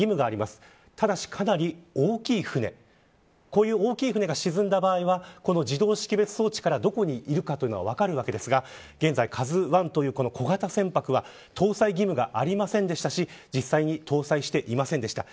こういう大きい船が沈んだ場合は自動識別装置からどこにいるか分かるんですがＫＡＺＵ１という小型船舶は搭載義務がありませんでしたし実際に搭載していませんでした。